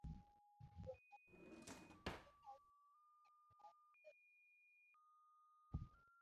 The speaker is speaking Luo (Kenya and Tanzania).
wuon nyamburko, jaduong' ma oti mane orwako law maber ma rambulu